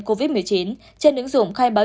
covid một mươi chín trên ứng dụng khai báo